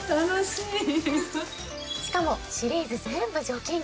しかもシリーズ全部除菌機能付き。